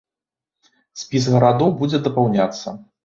Спіс гарадоў будзе дапаўняцца.